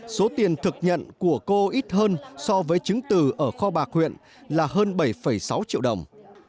số tiền thực nhận của cô ít hơn so với chứng từ ở kho bạc huyện là hơn bảy sáu triệu đồng